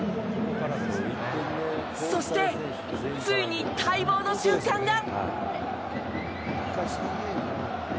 そして、ついに待望の瞬間が。